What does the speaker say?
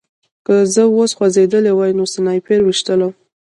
که زه اوس خوځېدلی وای نو سنایپر ویشتلم